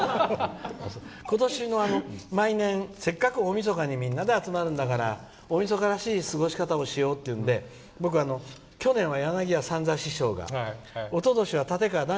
今年は、毎年せっかく大みそかにみんなで集まるんだから大みそからしい過ごし方をしようっていうので僕は去年は柳家三三師匠がおととしは立川談